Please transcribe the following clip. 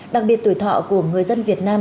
đặc biệt tuổi thọ của người dân việt nam